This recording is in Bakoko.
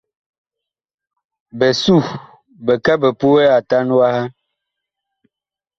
Bisuh bi kɛ bi puɛ Atan waha.